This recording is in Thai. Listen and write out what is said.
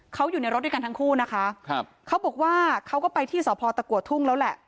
เขาอยู่ในรถด้วยกันทั้งคู่นะคะครับเขาบอกว่าเขาก็ไปที่สพตะกัวทุ่งแล้วแหละ